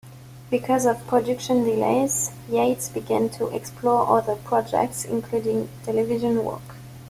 Because of production delays, Yates began to explore other projects including television work.